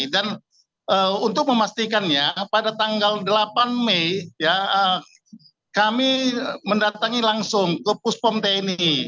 dan untuk memastikannya pada tanggal delapan mei kami mendatangi langsung ke puspom tni